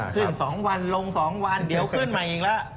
๒วันลง๒วันเดี๋ยวขึ้นมาอีกแล้ว